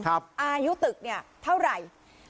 อายุตึกเนี่ยเท่าไหร่